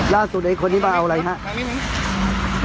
ล่าสุดคนมันมาเอาอะไรคะ